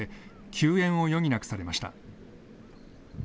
休園を余儀なくされました。